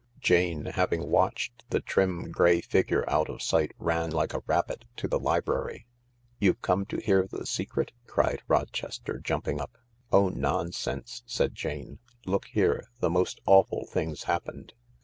Jane, having watched the trim, grey figure out of sight, ran like a rabbit to the library. " You've come to hear the secret ?" cried Rochester, jumping up. " Oh, nonsense !" said Jane. " Look here — the most awful thing's happened.